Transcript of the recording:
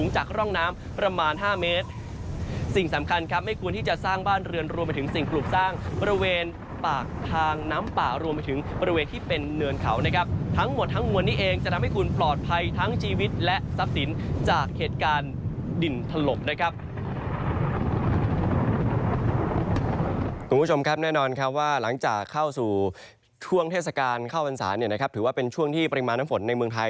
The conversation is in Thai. จากร่องน้ำประมาณ๕เมตรสิ่งสำคัญครับไม่ควรที่จะสร้างบ้านเรือนรวมไปถึงสิ่งกลุ่มสร้างบริเวณปากทางน้ำป่ารวมไปถึงบริเวณที่เป็นเนื้อเขานะครับทั้งหมดทั้งหมวนนี้เองจะทำให้คุณปลอดภัยทั้งชีวิตและทรัพย์สินจากเหตุการณ์ดินตลมนะครับคุณผู้ชมครับแน่นอนครับว่าหลังจากเข้าสู่ช่วงเทศกาล